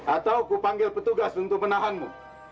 atau kupanggil petugas untuk menahanmu